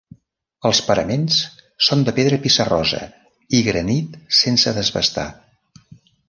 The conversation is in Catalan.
Els paraments són de pedra pissarrosa i granit sense desbastar.